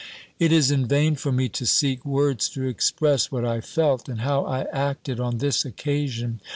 It is in vain for me to seek words to express what I felt, and how I acted, on this occasion.